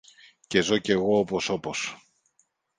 και ζω κι εγώ όπως όπως